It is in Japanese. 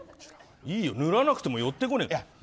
塗らなくても寄ってこねえよ。